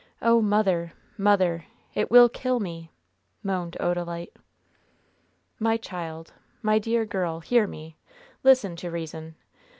Oh, mother! mother! it will kill me!" moaned Odalite. "My child, my dear girl, hear me! Listen to reason!